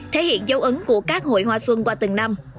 thể hiện dấu ấn của các hội hoa xuân qua từng năm